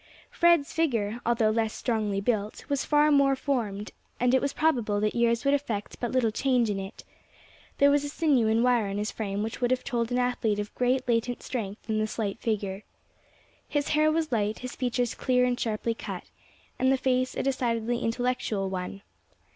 Fred's figure, although less strongly built, was far more formed, and it was probable that years would effect but little change in it. There was a sinew and wire in his frame which would have told an athlete of great latent strength in the slight figure. His hair was light, his features clear and sharply cut, and the face a decidedly intellectual one.